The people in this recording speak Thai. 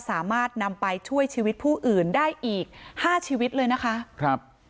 สามารถนำไปช่วยชีวิตผู้อื่นได้อีกห้าชีวิตเลยนะคะครับ